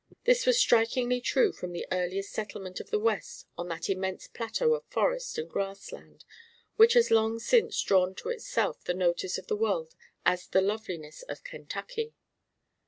This was strikingly true from the earliest settlement of the West on that immense plateau of forest and grass land which has long since drawn to itself the notice of the world as the loveliness of Kentucky.